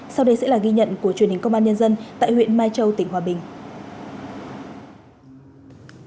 sau đây sẽ là ghi nhận của truyền hình công an nhân dân tại huyện mai châu tỉnh hòa bình